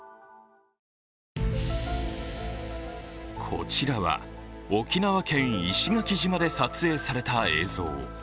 こちらは沖縄県石垣島で撮影された映像。